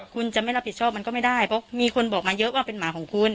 คุณจะไม่รับผิดชอบมันก็ไม่ได้เพราะมีคนบอกมาเยอะว่าเป็นหมาของคุณ